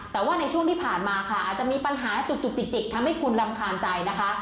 แต่ว่าในช่วงที่ผ่านมาค่ะอาจจะมีปัญหาจุกจิกทำให้คุณรำคาญใจนะคะ